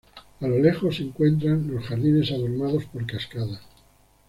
A los lejos se encuentran los jardines adornados por cascadas.